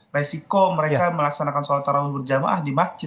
resiko mereka melaksanakan sholat tarawih berjamaah di masjid